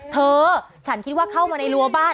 เธอฉันคิดว่าเข้ามาในรั้วบ้าน